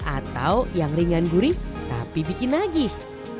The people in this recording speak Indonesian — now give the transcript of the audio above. atau yang ringan gurih tapi bikin nagih